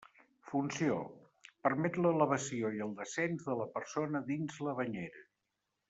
Funció: permet l'elevació i el descens de la persona dins la banyera.